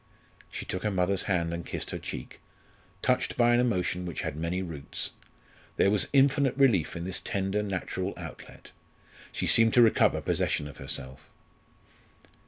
She took her mother's hand and kissed her cheek, touched by an emotion which had many roots. There was infinite relief in this tender natural outlet; she seemed to recover possession of herself.